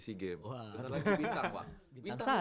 seagame wah bener bener wintang pak